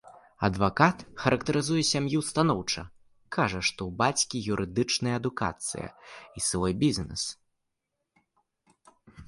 Адвакат характарызуе сям'ю станоўча, кажа, што ў бацькі юрыдычная адукацыя і свой бізнэс.